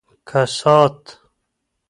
کسات